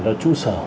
cho trú sở